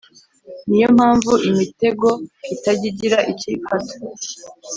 Ni yo mpamvu imitego itajya igira icyo ifata